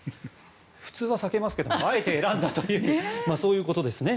普通は避けますけどあえて選んだというそういうことですね。